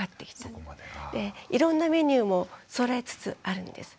いろんなメニューもそろえつつあるんです。